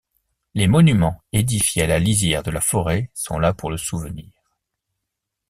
Les monuments édifiés à la lisière de la forêt sont là pour le souvenir.